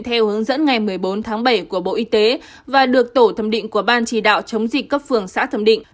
theo hướng dẫn ngày một mươi bốn tháng bảy của bộ y tế và được tổ thẩm định của ban chỉ đạo chống dịch cấp phường xã thẩm định